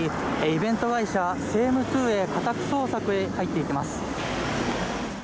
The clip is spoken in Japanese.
イベント会社セイムトゥーへ家宅捜索へ入っていきます。